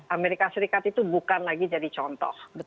amerika serikat itu bukan lagi jadi contoh